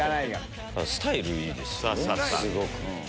スタイルいいですね。